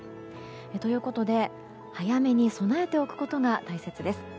ということで、早めに備えておくことが必要です。